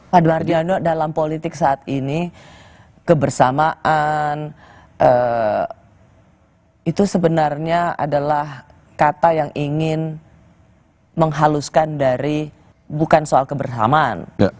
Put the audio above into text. pak dwardiano dalam politik saat ini kebersamaan itu sebenarnya adalah kata yang ingin menghaluskan dari bukan soal keberhamaan